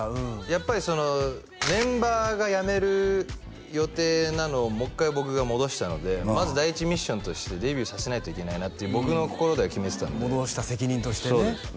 やっぱりメンバーが辞める予定なのをもう一回僕が戻したのでまず第１ミッションとしてデビューさせないといけないなって僕の心では決めてたんで戻した責任としてねそうです